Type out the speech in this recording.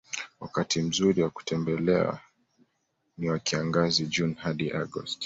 Wakati mzuri wa kutembelea ni wa Kiangazi June hadi Agosti